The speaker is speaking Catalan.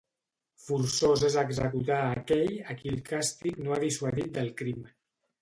Forçós és executar a aquell a qui el càstig no ha dissuadit del crim.